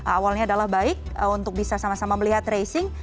awalnya adalah baik untuk bisa sama sama melihat tracing